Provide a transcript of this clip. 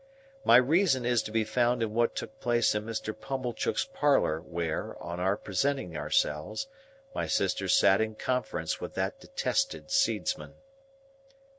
My reason is to be found in what took place in Mr. Pumblechook's parlour: where, on our presenting ourselves, my sister sat in conference with that detested seedsman.